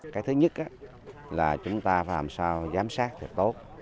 cái thứ nhất là chúng ta phải làm sao giám sát thật tốt